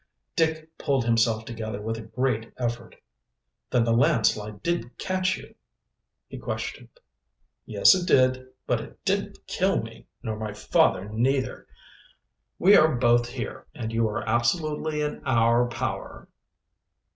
Dick pulled himself together with a great effort. "Then the landslide didn't catch you?" he questioned. "Yes, it did, but it didn't kill me, nor my father neither. We are both here, and you are absolutely in our power."